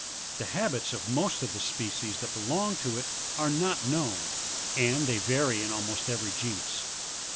The habits of most of the species that belong to it are not known ; and they vary in almost every genus.